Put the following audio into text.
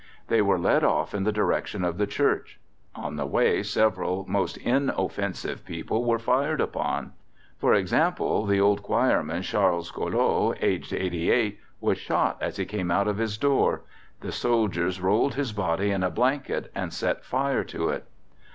They were led off in the direction of the church. On the way several most inoffensive people were fired upon. For example, the old choirman, Charles Colot, aged 88, was shot as he came out of his door; the soldiers rolled his body in a blanket, and set fire to it.